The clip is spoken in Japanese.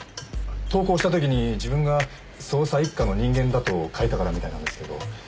投稿した時に自分が捜査一課の人間だと書いたからみたいなんですけど。